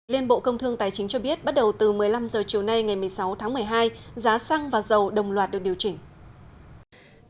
liên bộ công thương tài chính cho biết bắt đầu từ một mươi năm h chiều nay ngày một mươi sáu tháng một mươi hai giá xăng và dầu đồng loạt được điều chỉnh